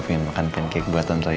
pengen makan pancake buatan lain